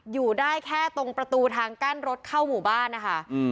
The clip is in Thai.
อยู่ได้แค่ตรงประตูทางกั้นรถเข้าหมู่บ้านนะคะ